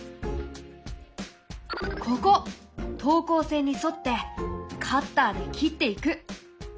ここ等高線に沿ってカッターで切っていく！